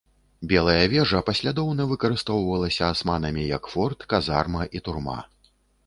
Белая вежа паслядоўна выкарыстоўвалася асманамі як форт, казарма і турма.